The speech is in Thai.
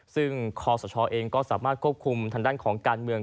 ซึ่งคอสชเองก็สามารถควบคุมทางด้านของการเมือง